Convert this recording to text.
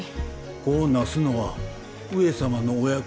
子をなすのは上様のお役目。